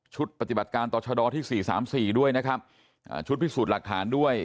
ชุดปฏิบัติการต่อชาวดอที่๔๓๔ด้วยนะครับชุดพิสูจน์หลักฐานด้วย